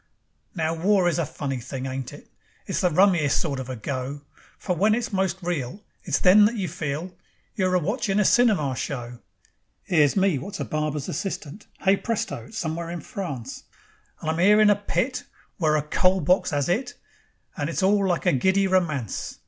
Now war is a funny thing, ain't it? It's the rummiest sort of a go. For when it's most real, It's then that you feel You're a watchin' a cinema show. 'Ere's me wot's a barber's assistant. Hey, presto! It's somewheres in France, And I'm 'ere in a pit Where a coal box 'as 'it, And it's all like a giddy romance.